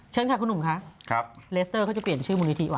เชิญค่ะคุณหนุ่มค่ะครับเลสเตอร์เขาจะเปลี่ยนชื่อมูลนิธิว่